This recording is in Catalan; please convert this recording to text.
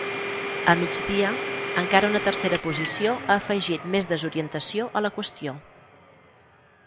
A migdia, encara una tercera posició ha afegit més desorientació a la qüestió.